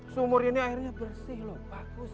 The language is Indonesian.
sumur ini airnya bersih loh bagus